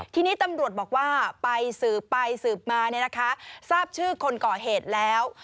ทีนี้ตำรวจบอกว่าไปสืบไปสืบมาทราบชื่อคนก่อเหตุแล้ว